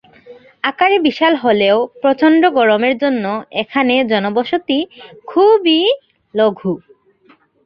আকারে বিশাল হলেও প্রচণ্ড গরমের জন্য এখানে জনবসতি খুবই লঘু।